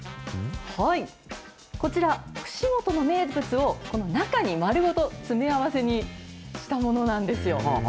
こちら、串本の名物をこの中に丸ごと詰め合わせにしたものなんですよ。